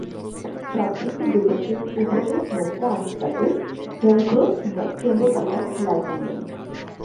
সবশেষে দুপাশের ওপরের মুখটা আটকাতে ভেলক্রো কিংবা চুম্বক বোতাম লাগিয়ে নিন।